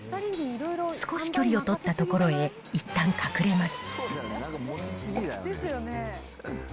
少し距離を取った所へ、いったん隠れます。